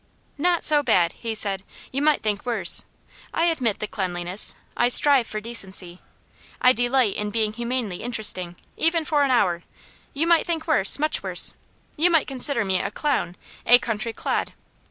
"Not so bad!" he said. "You might think worse. I admit the cleanliness, I strive for decency, I delight in being humanely interesting, even for an hour; you might think worse, much worse! You might consider me a 'clown.' 'A country clod.'